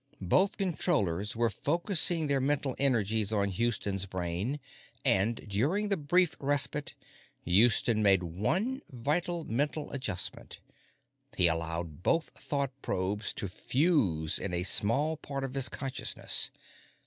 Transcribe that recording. Both Controllers were focusing their mental energies on Houston's brain, and during the brief respite, Houston made one vital mental adjustment. He allowed both thought probes to fuse in a small part of his consciousness.